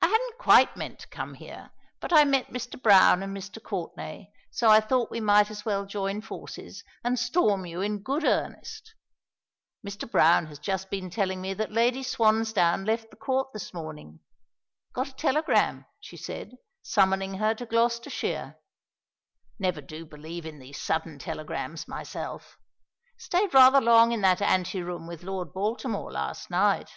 "I hadn't quite meant to come here, but I met Mr. Browne and Mr. Courtenay, so I thought we might as well join forces, and storm you in good earnest. Mr. Browne has just been telling me that Lady Swansdown left the Court this morning. Got a telegram, she said, summoning her to Gloucestershire. Never do believe in these sudden telegrams myself. Stayed rather long in that anteroom with Lord Baltimore last night."